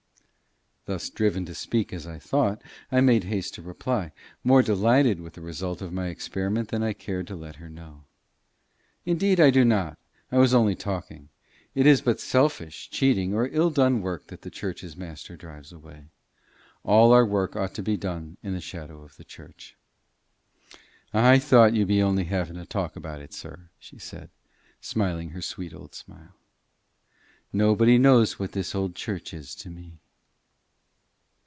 Thus driven to speak as I thought, I made haste to reply, more delighted with the result of my experiment than I cared to let her know. "Indeed I do not. I was only talking. It is but selfish, cheating, or ill done work that the church's Master drives away. All our work ought to be done in the shadow of the church." "I thought you be only having a talk about it, sir," she said, smiling her sweet old smile. "Nobody knows what this old church is to me."